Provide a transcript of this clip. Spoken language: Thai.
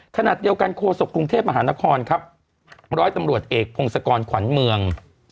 ขณะเดียวกันโฆษกรุงเทพมหานครครับร้อยตำรวจเอกพงศกรขวัญเมือง